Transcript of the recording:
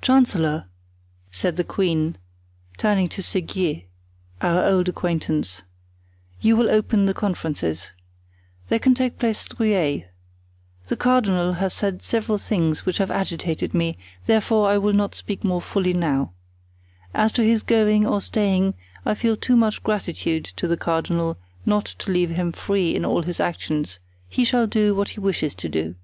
"Chancellor," said the queen, turning to Seguier, our old acquaintance, "you will open the conferences. They can take place at Rueil. The cardinal has said several things which have agitated me, therefore I will not speak more fully now. As to his going or staying, I feel too much gratitude to the cardinal not to leave him free in all his actions; he shall do what he wishes to do."